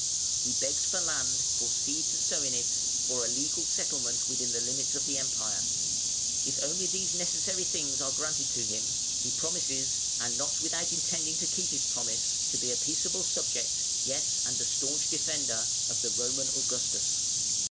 He begs for land, for seed to sow in it, for a legal settlement within the limits of the Empire. If only these necessary things are granted to him, he promises, and not without intending to keep his promise, to be a peaceable subject, yes and a staunch defender, of the Roman Augustus.